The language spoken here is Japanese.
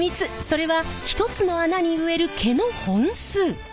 それは１つの穴に植える毛の本数。